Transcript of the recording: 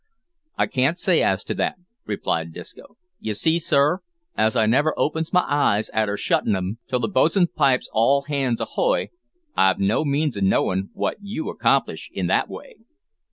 "I can't say as to that," replied Disco. "You see, sir, as I never opens my eyes arter shuttin' of 'em till the bo's'n pipes all hands ahoy, I've no means of knowin' wot you accomplish in that way."